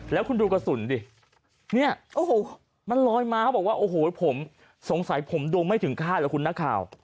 แล้วคุณดูกระสุนดิเนี่ยโอ้โหมันลอยมาเขาบอกว่าโอ้โหผมสงสัยผมดวงไม่ถึงค่ายเหรอคุณนักข่าว